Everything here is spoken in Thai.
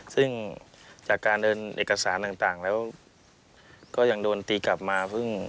ซึ่งจากการเดินเอกสารต่างแล้วก็ยังโดนตีกลับมาเพิ่ง